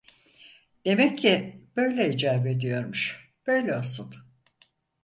Demek ki böyle icap ediyormuş, böyle olsun…